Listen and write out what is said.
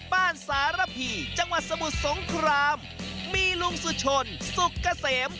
สารพีจังหวัดสมุทรสงครามมีลุงสุชนสุกเกษม